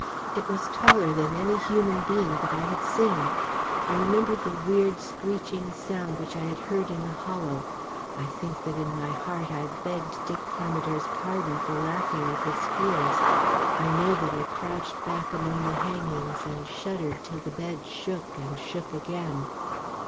It was taller than any human being that I had seen. I remembered the weird screeching sound which I had heard in the hollow; I think that in my heart I begged Dick Parmiter's pardon for laughing at his fears; I know that I crouched back among the hangings and shuddered till the bed shook and shook again.